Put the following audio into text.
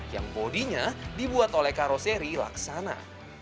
yang bodinya dibuat oleh karoseri laksana